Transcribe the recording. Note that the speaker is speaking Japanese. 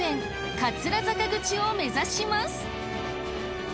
桂坂口を目指します。